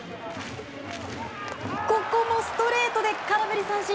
ここもストレートで空振り三振！